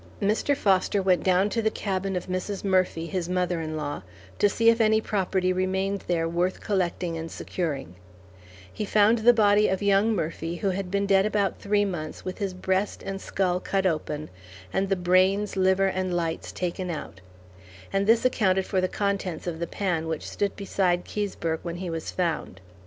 Mr. Foster went down to the cabin of Mrs. Murphy, his mother in law, to see if any property remained there worth collecting and securing; he found the body of young Murphy who had been dead about three months with his breast and skull cut open, and the brains, liver, and lights taken out; and this accounted for the contents of the pan which stood beside Keseberg when he was found.